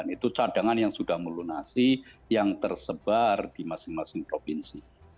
itu cadangan yang sudah melunasi yang tersebar di masing masing provinsi